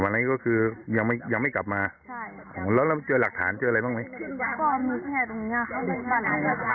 มันก็คือยังไม่มัยกลับมาแล้วเหลือมาเจอหลักฐานเจออะไรบ้างไหม